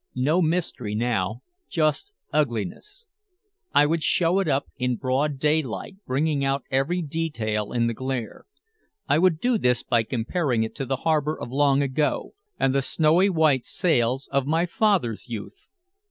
No mystery now, just ugliness. I would show it up in broad daylight, bringing out every detail in the glare. I would do this by comparing it to the harbor of long ago, and the snowy white sails of my father's youth.